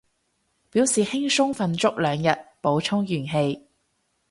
表示輕鬆瞓足兩日，補充元氣